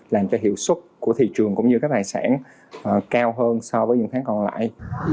làm cho hiệu suất của thị trường cũng như các tài sản cao hơn so với những tháng còn lại